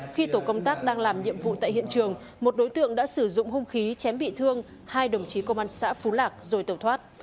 khi tổ công tác đang làm nhiệm vụ tại hiện trường một đối tượng đã sử dụng hung khí chém bị thương hai đồng chí công an xã phú lạc rồi tẩu thoát